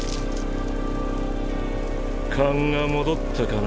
勘が戻ったかな。